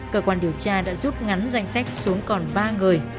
cơ quan điều tra đã rút ngắn danh sách xuống còn ba người